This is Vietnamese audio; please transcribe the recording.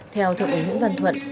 theo thượng úy nguyễn văn thuận